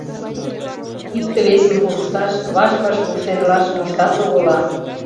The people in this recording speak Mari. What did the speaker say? Икте-весым пурышташ, ваш-ваш вурседылаш моштат огыла.